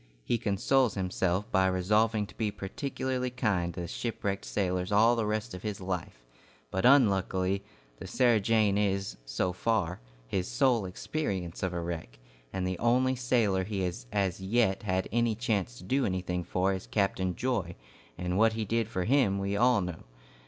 He consoles himself by resolving to be particularly kind to shipwrecked sailors all the rest of his life; but unluckily, the "Sarah Jane" is, so far, his sole experience of a wreck, and the only sailor he has as yet had any chance to do anything for is Captain Joy, and what he did for him we all know.